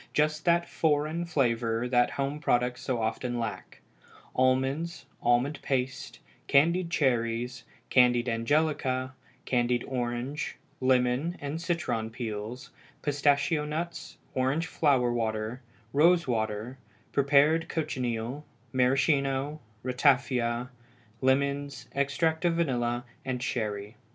just that "foreign" flavor that home products so often lack: almonds, almond paste, candied cherries, candied angelica, candied orange, lemon, and citron peels, pistachio nuts, orange flower water, rose water, prepared cochineal, maraschino, ratafia, lemons, extract of vanilla, and sherry.